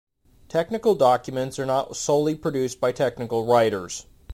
Technical documents are not solely produced by technical writers.